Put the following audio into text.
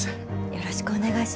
よろしくお願いします。